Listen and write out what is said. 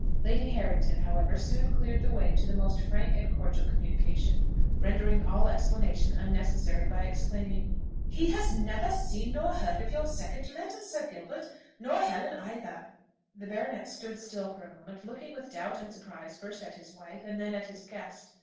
Lady Harrington, however, soon cleared the way to the most frank and cordial communication, rendering all explanation unnecessary by exclaiming, "He has never seen nor heard of your second letter, Sir Gilbert nor Helen either." The baronet stood still for a moment, looking with doubt and surprise first at his wife, and then at his guest.